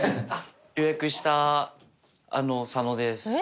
予約した佐野です。